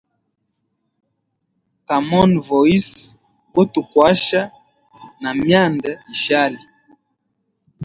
Common voice go tukwasha na myanda yishali.